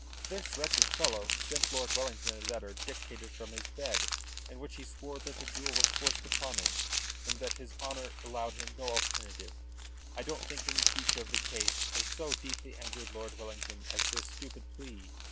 "This wretched fellow sent Lord Wellington a letter dictated from his bed, in which he swore that the duel was forced upon him, and that his honour allowed him no alternative. I don't think any feature of the case has so deeply angered Lord Wellington as this stupid plea.